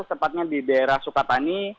sempatnya di daerah sukatani